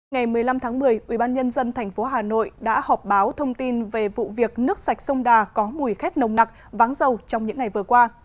ngày một mươi năm tháng một mươi ubnd tp hà nội đã họp báo thông tin về vụ việc nước sạch sông đà có mùi khét nồng nặc váng dầu trong những ngày vừa qua